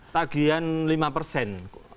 tagian lima persen